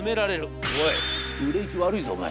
『おい売れ行き悪いぞお前。